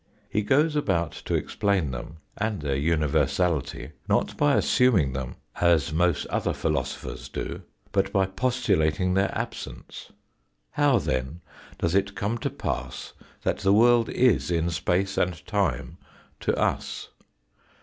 He goes about to explain them, and their universality, not by assuming them, as most other philosophers do, but by postulating their absence. How then does it come to pass that the world is in space and time to us